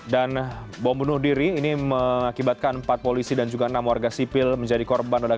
dan bom bunuh diri ini mengakibatkan empat polisi dan juga enam warga sipil menjadi korban ledakan bom